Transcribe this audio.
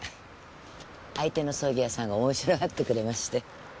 相手の葬儀屋さんが面白がってくれまして。